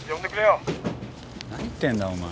何言ってんだお前。